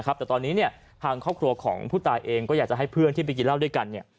แต่ตอนนี้เนี่ยทางครอบครัวของผู้ตายเองก็อยากจะให้เพื่อนที่ไปกินเหล้าด้วยกัน